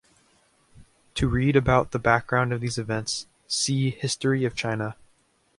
To read about the background to these events, see History of China.